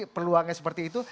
peluangnya seperti itu